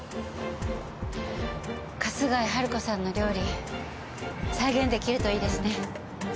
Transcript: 春日井春子さんの料理再現出来るといいですね。